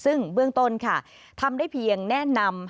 ซึ่งเบื้องต้นค่ะทำได้เพียงแนะนำ